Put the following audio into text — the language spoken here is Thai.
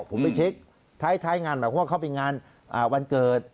ผมไปเช็คท้ายงานแบบว่าเขาไปงานวันเกิด